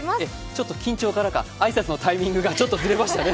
ちょっと緊張からか、挨拶のタイミングがちょっとずれましたね。